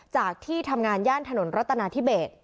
จากที่ทำงานย่านถนนรัตนาธิเบส